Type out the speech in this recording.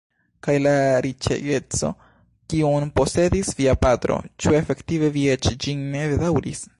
Kaj la riĉegeco, kiun posedis via patro, ĉu efektive vi eĉ ĝin ne bedaŭris?